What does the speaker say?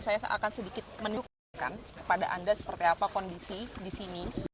saya akan sedikit menukarkan kepada anda seperti apa kondisi di sini